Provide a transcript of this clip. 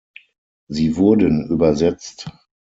Sie wurden übersetzt.